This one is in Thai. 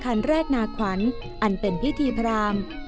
คันแรกนาขวัญอันเป็นพิธีพราม